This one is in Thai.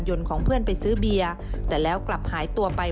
ของเพื่อนไปซื้อเบียร์แต่แล้วกลับหายตัวไป